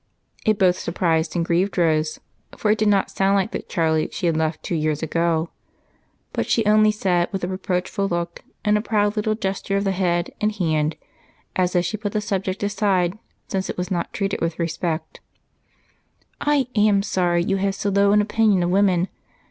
It both surprised and grieved Rose, for it did not sound like the Charlie she had left two years ago. But she only said, with a reproachful look and a proud little gesture of head and hand, as if she put the subject aside since it was not treated with respect: "I am sorry you have so low an opinion of women.